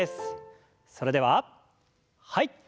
それでははい。